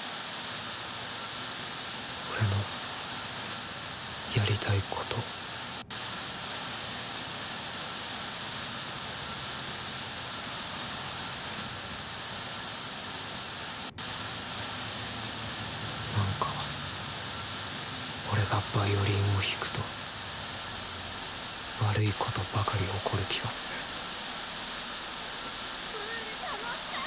俺のやりたいことなんか俺がヴァイオリンを弾くと悪いことばかり起こる気がするプール楽しかった！